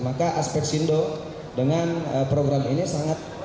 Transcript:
maka aspek sindo dengan program ini sangat